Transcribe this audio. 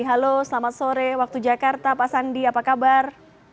halo selamat sore waktu jakarta pak sandi apa kabar